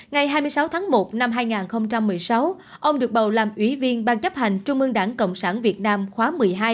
ngày hai mươi sáu tháng một năm hai nghìn một mươi sáu ông được bầu làm ủy viên ban chấp hành trung ương đảng cộng sản việt nam khóa một mươi hai